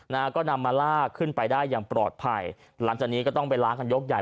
นะฮะก็นำมาลากขึ้นไปได้อย่างปลอดภัยหลังจากนี้ก็ต้องไปล้างกันยกใหญ่